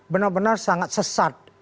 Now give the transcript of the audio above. benar benar sangat sesat